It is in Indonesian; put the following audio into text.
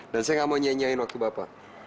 dan saya nggak mau nyenyain waktu bapak